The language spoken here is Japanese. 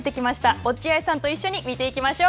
落合さんと一緒に見ていきましょう。